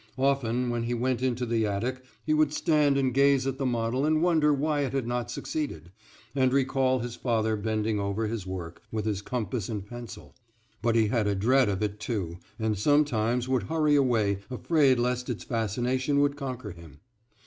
Often when he went into the attic he would stand and gaze at the model and wonder why it had not succeeded, and recall his father bending over his work, with his compass and pencil. But he had a dread of it too, and sometimes would hurry away, afraid lest its fascination would conquer him.